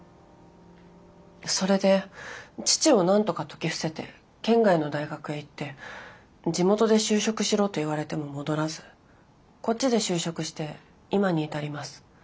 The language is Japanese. それで父をなんとか説き伏せて県外の大学へ行って地元で就職しろと言われても戻らずこっちで就職して今に至ります。